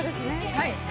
はい。